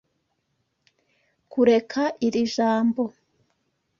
Kureka iri jambo.